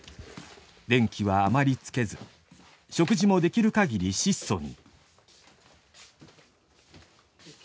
電気はあまりつけず食事もできるかぎり質素に。